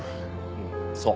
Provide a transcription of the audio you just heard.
うんそう。